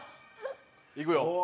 いくよ。